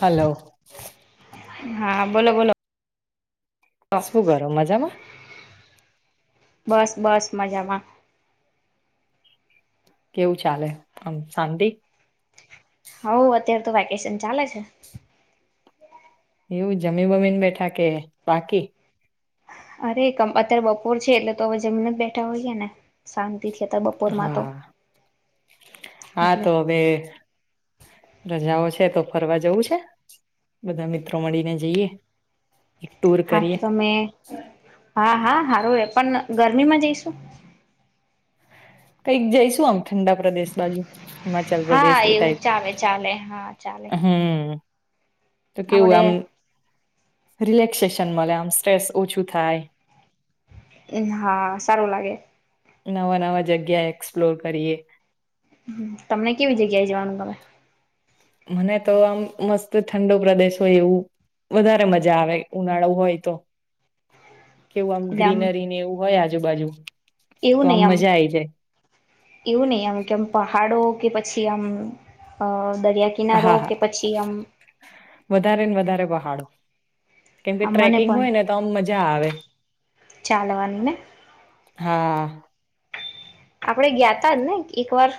Hello. હા બોલો બોલો શું કરો મજામાં બસ બસ મજામાં કેવું ચાલે આમ શાંતી હઓ અત્યારે તો વેકેશન ચાલે છે એવું જમી બમીને બેઠા કે બાકી. અરે અત્યારે બપોર છે એટલે તો હવે જમીને જ બેઠા હોઈએ ને શાંત હા હા એટલે તો બે રજાઓ છે તો ફરવા જવું છે? એક ટુર હા તો કરીએ તમે હા હા હા હવે પન ગરમીમાં જઈશું? કઈક જઈશું આમ ઠંડા પ્રદેશ બાજુ. હિમાચલ હા પ્રદેશ એ એવું ટાઈપ ચાલે ચાલે હા ચાલે. હમ તો કેવું આપડે આમ રિલેક્સેશન મળે આમ સ્ટ્રેસ ઓછું થાય. અમ હા સારું લાગે. નવા-નવા જગ્યા એક્સપ્લોર કરીએ તમને કેવી જગ્યાએ જવાનું ગમે? મને તો આમ મસ્ત ઠંડો પ્રદેશ હોય એવું વધારે મજા આવે ઉનાળો હોય તો કેવું આમ ગ્રીનરીને એવું હોય આજ જુબાજુ એવું નય આમ એવું નય આમ કેમ પહાડો કે પછી આમ અ દ રિયા કિનારો કે પછી આમ વધારેને વધારે પહાડો કેમ કે મને ટ્રેકિંગ પણ હોયને તો આમ મજા આવે. ચાલવાની ને હા. આપડે ગયાતા ને એકવાર?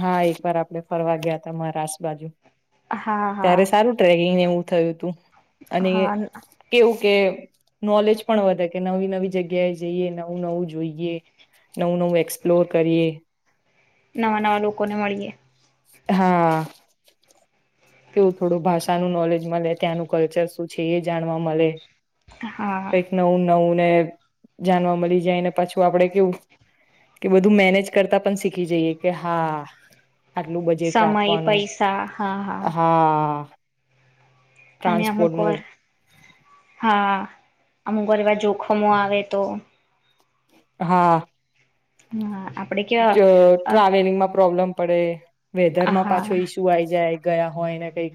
હા એક વાર આપડે ફરવા ગયાતા મહારાષ્ટ્ર બાજુ. હા હા ત્યારે સારું ટ્રેકિંગ ને એવું થયું તું. અને હા કેવું કે નોલેજ પણ વધે કે નવી નવી જગ્યાએ જઈએ, નવું નવું જોઈએ, નવું નવું એક્સપ્લોર કરીએ. નવા નવા લોકોને મળીએ. હા. કેવું થોડું ભાષાનું નોલેજ મલે, ત્યાંનું કલ્ચર શું છે એ જાણવા મળે. હા કંઈક નવુ નવુ ને જાણવા મળી જાય ને પાછું આપણેે કેવું કે બધું મેનેજ કરતા પણ શીખી જઈએ કે હા આટલું બજેટ સમય, રાખવાનું પૈસા હા હા. હા. અને અમુક ટ્રાન્સપોર્ટનું વાર, હા. અમુક વાર એવા જોખમો આવે તો હા. હા આપ જ ટ્રાવેલિંગમાં પ્રોબ્લેમ પડે. વેધર માં હા પાછો ઈસ્યુ આઈ જાય. ગયા હોય એને કઈક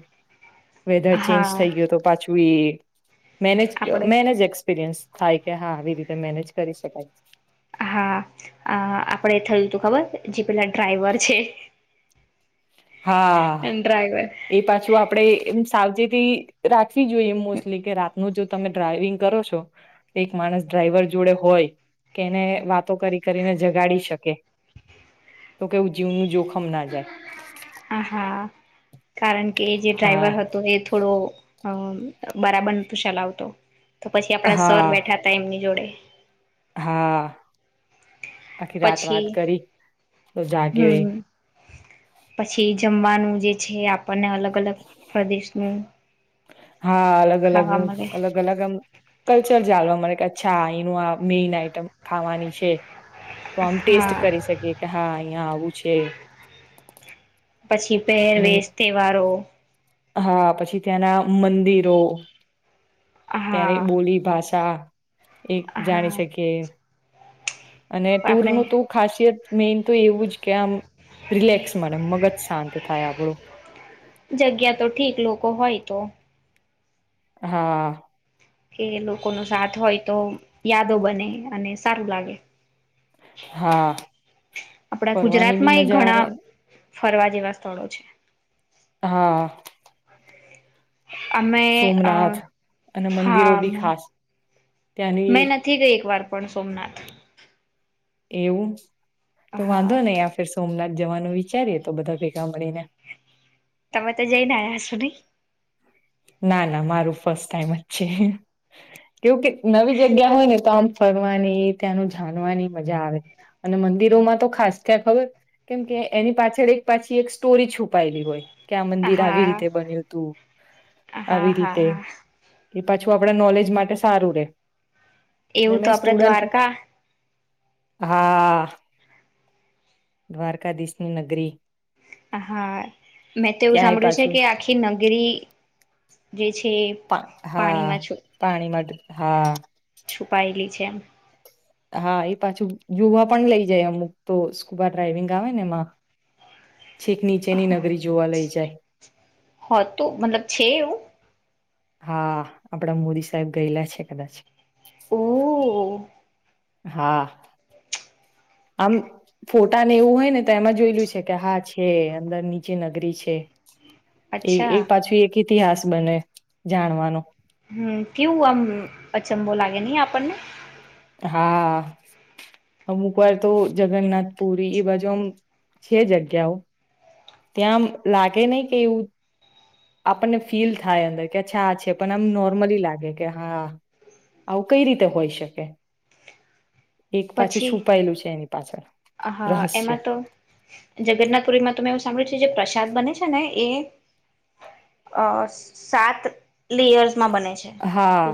વેધર ચેન્જ હા થઈ ગયો તો પાછો [unintelligible] મેનેજ, આપડે મેનેજ એક્સપીરિયન્સ. થાય કે હા આવી રીતે મેનેજ કરી શકાય. હા અ આપડે થયું હતું ખબર, જે પેલા ડ્રાઈવર છે. [inaudible] હા ડ્રાઈવર એ પાછું આપડે એમ સાવચેતી રાખ વી જોઈએ મોસ્ટલી કે રાત નું જો તમે ડ્રાઈવિંગ કરો છો એક માણસ ડ્રાઈવર જોડે હોય કે એને વાતો કરી કરીને જગાડી શકે તો કેવું જીવનું જોખમ ના જાય. હા કારણ કે એ જે હા ડ્રાઈવર હતો એ થોડો અ બરાબંધ તુષા લાવતો. તો પછી આપડા સર હા બેઠા હતા એમની જોડે. હા. આખી રાત વાત પછી કરી તો જાગ્યો એ. હમ પછી જમવાનું જે છે આપ આપને અલગ અલગ પ્રદેશનું હા અલગ અલગ ખાવા મળે અલગ અલગ આમ કલ્ચર ચાલવા મળે ક્યા અચ્છા એનું આ મેઈન આઈટમ ખાવાની છે. તો આમ ટેસ્ટ હા કરી શકીએ કે હા. અહિયાં આવું છે. પછી અને પહેરવેશ, તહેવારો. હા પછી ત્યાંના મંદિરો. ત્યારે હા બોલી ભાષા. સા. એક જાણી હા શકીએ. અને ટુર આપડે નું તું ખાસિયત મેન તો એવું જ કે આમ રિલેક્સ મળે મગજ શાંત થાય આપણું. જગ્યા તો ઠીક લોકો હોય તો. હા. કે લોકો નો સાથ હોય તો યાદો બને અને સારું લાગે. હા, આપડા ફરવાની બી ગુજરાતમાં એ મજા ઘણા આવે ફરવા જેવા સ્થળો છે. હા. અમે અ સોમનાથ અને મંદિરો હા બી ખાસ ત્યાંની મેં નથી ગઈ એક વાર પણ સોમનાથ. એવું. તો હા વાંધો નહી યા સોમનાથ જવાનું વિચારીએ તો બધા ભેગા મળીને. તમે તો જઈને આવ્યા સો નઈ. ના ના મારું ફર્સ્ટ ટાઈમ જ છે, કેવું કે નવી જગ્યા હોય ને તો આમ ફરવાની ત્યાંનું જાણવાની મજા આવે, અને મંદિરોમાં તો ખાસ ક્યાં ખબર કેમ કે એની પાછળ એક પાછી એક સ્ટોરી છુપાયેલી હોય. કે આ મંદિર આવી હા રીતે બન્યું હતું. હા આવી હા રીતે હા. એ પાછું આપડા નોલેજ માટે સારું રે. અને એવું તો મે આપડે સ્ટુડન્ટ દ્વારકા હા. દ્વારકાધીશની નગરી. હા મેં તો એવું ત્યાંય સાંભળ્યું છે પાછું કે આખી નગરી જે છે પા પાણીમાં હા છ પાણી માટે હા છુપાયેલી છે એમ. હા એ પાછું યુવા પણ લઈ જાય અમુક તો સ્કુબા ડ્રાઈવિંગ આવે ને એમાં. છીક નીચેની નગરી જોવા લઈ જાય. હોતું મતલબ છે એવું હા આપડા મોદી સાહેબ ગયેલા છે કદાચ. હમ [unintelligible] હા. આમ ફોટાને એવું હોય ને તો એમાં જોયલું છે કે હા છે અંદર નીચે નગરી છે. એ એ અચ્છા પાછું એક. ઇતિહાસ બને જાણવાનો. હમ કેવું આમ અચંબો લાગે નહ આપણને. હા અમુક વાર તો જગન્નાથ પુરી એ બાજુ આમ છે જગ્યાઓ. ત્યાંમ લાગે નહી કે એવું આપણને ફીલ થાય અંદર કે અચ્છા આ છે પણ આમ નોર્મલી લાગે કે હા આવું કઈ રીતે હોઈ શકે. એક પાછું પછી છુપાયેલું છે એની પાછળ. હા રહસ્ય એમાં તો જગન્નાથપુરીમાં. તમે એવું સાંભળ્યું છે જે પ્રસાદ બને છે ને એ સાત લેયર્સ. હા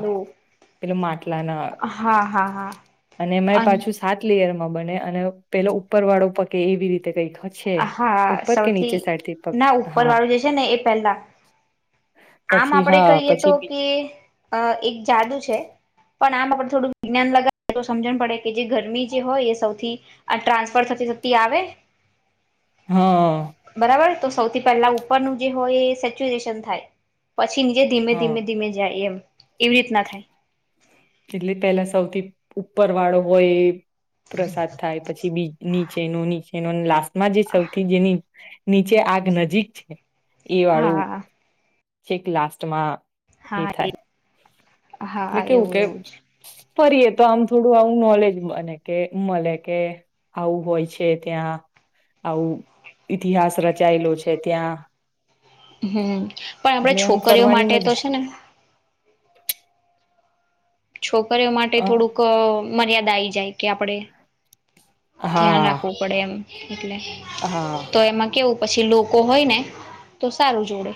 પેલું માટલા ના હા હા હા અને એમાં પાછું સાત લેયર. બને અને પેલો ઉપર વાળો પકે એવી રીતે કઈ. હા સૌથી પક ના ઉપર હા વાળું જે છે ને એ પહેલા. આમ પછી આપડે હા કહીએ તો પછી બી કે અ એક જાદુ છે પણ આમાં આપડ થોડું વિજ્ઞાન લગાવ તો સમજણ પડે કે જે ગરમી જે હોય એ સૌથી ટ્રાન્સફર થતી થતી આવે હા બરાબર તો સૌથી પહેલા ઉપરનુંું જે હોય એ સેચ્યુએશન થાય પછી નીચે ધીમે હા ધીમે ધીમે જાય એમ એવી રીત ના થાય એટલે પેલા સૌથી ઉપર વાળો હોય પ્રસાદ થાય પછી બીની છે નની છે ન લાસ્ટ માં જે સૌથી જેની નીચે આગ નજીક છે એવાળું હા છેક લાસ્ટમાં હા એ એટલે હા કેવું એવું કે એવું જ ફરીએ તો આમ થોડું આવું નોલેજ બને કે મળે કે આવું હોય છે ત્યાં આવું ઈતિહાસ રચાયેલો છે ત્યાં હમ પણ એટલે આપડ એમ છોકરીઓ ફરવાની માટે તો મજા છે ને છોકરીઓ માટે અ થોડુંક મર્યાદા આઈ જાય કે આપડે ધ્યાન હા રાખવું પડે એમ એટલે હા તો એમાં કેવું પછી લોકો હોય ને તો સારું જોડે.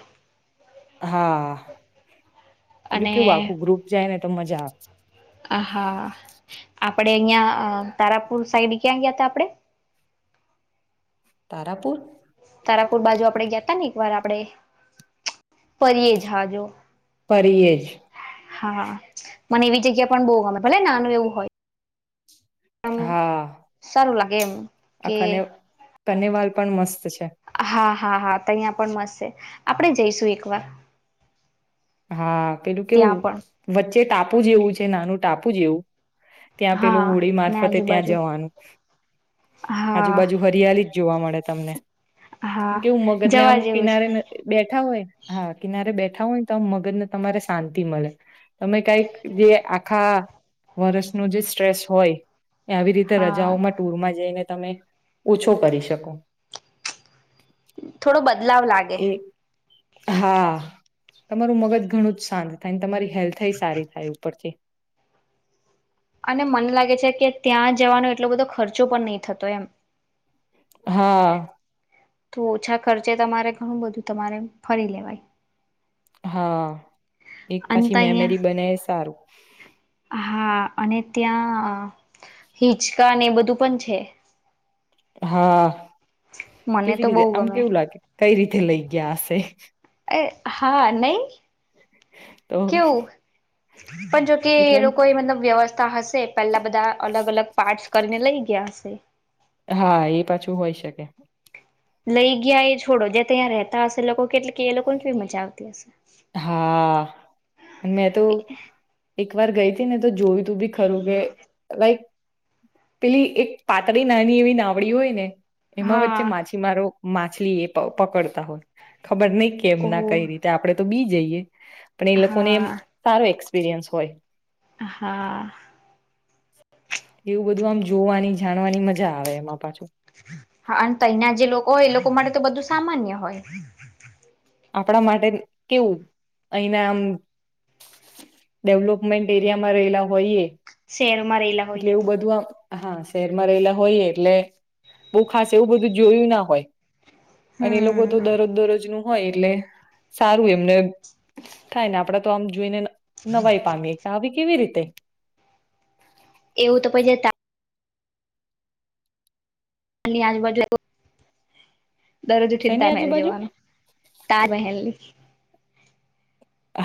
હા. અને કેવું આખું ગ્રુપ જાય ને. તો મજા આવે. હા, હા, આપડે અહિયાં તારાપુર સાઈડ ક્યાં ગયા હતા? આપડે. તારાપુર. તારાપુર બાજુ આપણે ગયા હતા ને, એકવાર આપણે ફરીએ જ હજુ. ફરીએ જ. હા, મને એવી જગ્યા પણ બહુ ગમે, ભલે નાનું એવું હોય. હ, સારું લાગે. કેમ? આખરે એવું. કનેવાલ પણ મસ્ત છે. હા હા હા, તહીંયા પણ મસ્ત છે, આપણે જઈશું એક વાર. હા. પેલું કેવું ત્યાં પણ વચ્ચે. ટાપુ જેવું છે, નાનું ટાપુ જેવું. ત્યાં પેલું હા હોળી ને મારફતે ત્યાં આજુબાજુ જવાનું હા આજુબાજુ હરિયાળી. જોવા મળે તમને. હા કેવું મગજ ના, આમ જવા જેવું છે કિનારે બેઠા હોય હા, કિનારે બેઠા. હોય. તો મગજને તમારે શાંતિ મળે. તમે કંઈક જગ્યાએ આખા વર્ષનું જે સ્ટ્રેસ હોય. આવી રીતે હા રજાઓમાં ટુર માં જઈને. તમે ઓછો કરી શકો? થોડો બધો. બદલાવ લાગે. એ હા, તમારું મગજ ઘણું જ શાંત થાય, તમારી હેલ્થ સારી થાય ઉપરથી. અને મને લાગે છે કે ત્યાં જવાનો એટલો બધો ખર્ચો પણ નહીં થતો, એમ. હા. તો ઓછા ખર્ચે તમારે ઘણું બધું તમારે ફરી લેવાય. હા, એક અને પછી ત અહીંયા મેમરી બને સારું. હા, અને ત્યાં હિચકા અને એ બધું પણ છે. હા. મને તો બહુ ગમે. કંઈ રીતે લઈ ગયા હશે? અ હા નહી તો કેવુ. પણ જોકે એટલે એ આમ લોકો એ મતલબ વ્યવસ્થા હશ. પેલા બધા અલગ અલગ પાર્ટસ કરીને લઈ ગયા હશે. હા એ પાછું હોય શકે. લઈ ગયા એ છોડો જે ત્યાં રહેતા હશે લોકો કેટલે કે એ લોકોને કેવી મજા આવતી હશે. હા મેં તો. એક વાર ગઈ હતી ને તો જોવી. તું બી ખરુ કેે લાઈક. પેલી એક પાતળી નાની એવી નાવડી હોય ને. એમાં વચ્ચે હા માછીમારો. માછલી એ પ પકડતા હોય. ખબર નહી કે એમના કઈ ઓહ રીતે આપડે. તો બી જઈએ. પણ એ લોકો ને એમ હા સારો એક્સપ. ક્સપિરિયન્સ હોય. હા. એવું બધું આમ જોવાની જાણવાની મજા આવે એમાં પાછું. હા અને તહીના જે લોકો હોય એ લોકો માટે તો બધું સામાન્ય હોય. આપણા માટે કેવું અહીના આમ ડેવલોપમેન્ટ એરિયામાં રહેલા હોઈએ. શેરમાં રેલા એટલે હોઈએ એવું તો. બધું આમ હા શહેરમાં રહેલા હોય એટલે બહુ ખાસ એવું બધું જોયું ના હોય. અને એ લોકો હમ તો દરરોજ દરરોજ નું. હોય એટલે સારું એમને થાય ને આપડા તો આમ જોઈને. નવાઈ પામીએ કે આવી કેવી રીતે. એવું તો પછી ની આજ બદલે. દરરોજ ઉઠીને શેની તાર મહેલ આજુબાજુ જવાનું તાર મહેલ ની.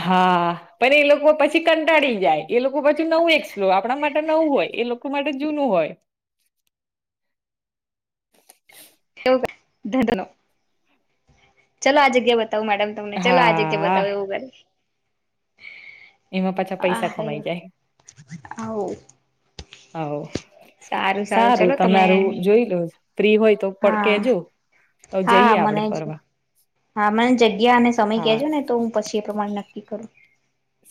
હા પણ એ લોકો પછી કંટાળી જાય એ લોકો પાછું નવું એક્સપ્લો આપણા માટે નવું હોય એ લોકો માટે જૂનું હોય. [unintelligible] ચાલ આ જગ્યા. મેડમ તમને ચાલ આ જગ્યા હા બતાવો એવું કર. એમાં પાછા પૈસા કમાઈ જાય આવું હ સારું તમારું જોઈ લો. ફ્રી હોય તો પણ હા કેજો તો હા જઈએ આપડે મને જ ફરવા હા મને જગ્યા અને સમય હાર કેજો ને તો હું પછી એ પ્રમાણે ન કી કરું.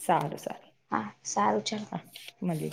સારું સારું. હા સારું ચાલ હા મલીએ.